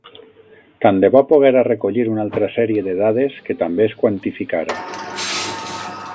Tant de bo poguera recollir una altra sèrie de dades que també es quantificara!